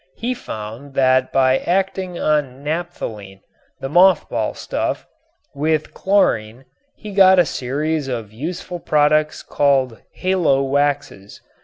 He found that by acting on naphthalene the moth ball stuff with chlorine he got a series of useful products called "halowaxes."